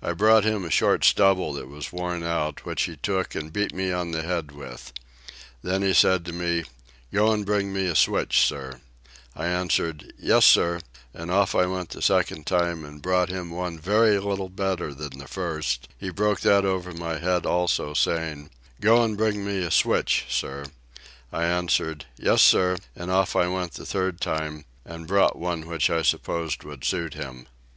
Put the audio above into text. I brought him a short stubble that was worn out, which he took and beat me on the head with. Then he said to me, "Go and bring me a switch, sir;" I answered "Yes, sir;" and off I went the second time, and brought him one very little better than the first; he broke that over my head also, saying, "Go and bring me a switch, sir;" I answered, "Yes, sir," and off I went the third time, and brought one which I supposed would suit him.